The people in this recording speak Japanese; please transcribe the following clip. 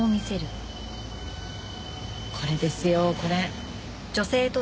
これですよこれ。